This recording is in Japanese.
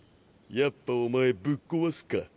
やっぱお前ぶっ壊すか。